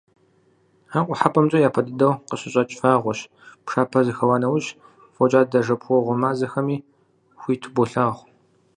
Ар Къухьэпӏэмкӏэ япэ дыдэу къыщыщӏэкӏ вагъуэщ, пшапэ зэхэуа нэужь, фокӏадэ-жэпуэгъуэ мазэхэми хуиту болъагъу.